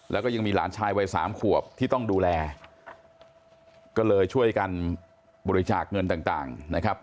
แล้วก็ยังมีหลานชายวัยสามขวบที่ต้องดูแลก็เลยช่วยกันบริจาคเงินต่างนะครับ